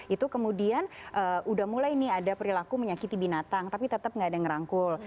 itu kemudian udah mulai nih ada perilaku menyakiti binatang tapi tetap nggak ada yang ngerangkul